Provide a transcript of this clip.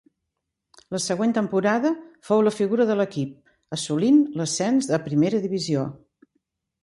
La següent temporada fou la figura de l'equip, assolint l'ascens a primera divisió.